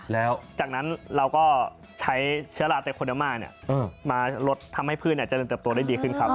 แล้วจากนั้นเราก็ใช้เชื้อราไตโคเดอร์มามาลดทำให้พืชเจริญเติบโตได้ดีขึ้นครับ